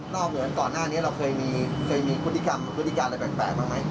นอกเหมือนก่อนหน้านี้เราเคยมีกฏฐิกรรมอะไรแปลกบ้างไหม